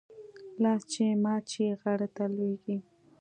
لاس چې مات شي ، غاړي ته لوېږي .